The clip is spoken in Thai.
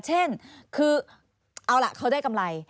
เช่นคือเอาล่ะเขาได้กำไร